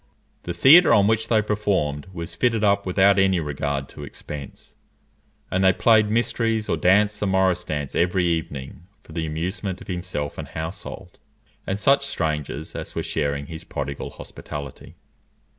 The theatre on which they performed was fitted up without any regard to expense, and they played mysteries or danced the morris dance every evening for the amusement of himself and household, and such strangers as were sharing his prodigal hospitality.